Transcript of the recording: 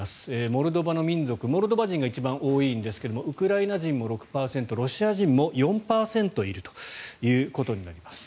モルドバの民族モルドバ人が一番多いんですがウクライナ人も６％ロシア人も４％いるということになります。